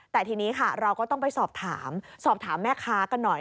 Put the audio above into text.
แต่ทีนี้ค่ะเราก็ต้องไปสอบถามสอบถามแม่ค้ากันหน่อย